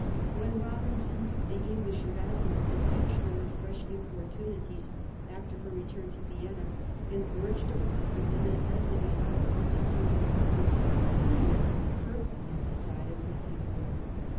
When Robinson, the English ambassador, besieged her with fresh importunities, after her return to Vienna, and urged upon her the necessity of concentrating her efforts, he met with a curt and decided refusal.